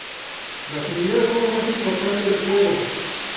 Las unidades son lo más importante del juego.